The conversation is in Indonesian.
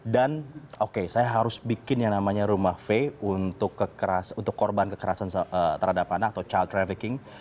dan oke saya harus bikin yang namanya rumah faye untuk korban kekerasan terhadap anak atau child trafficking